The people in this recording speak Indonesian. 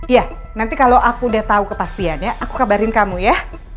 iya nanti kalau aku udah tahu kepastiannya aku kabarin kamu ya